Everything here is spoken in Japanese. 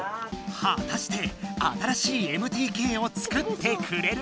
はたして新しいＭＴＫを作ってくれるのは？